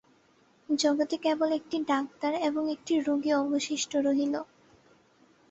জগতে কেবল একটি ডাক্তার এবং একটি রোগী অবশিষ্ট রহিল।